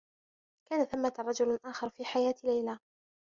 كان ثمّة رجل آخر في حياة ليلى.